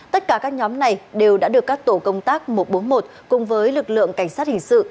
tất cả các nhóm này đều đã được các tổ công tác một trăm bốn mươi một cùng với lực lượng cảnh sát hình sự